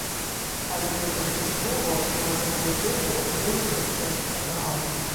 Але некалькі словаў на гэтую тэму ён ўсё ж сказаў.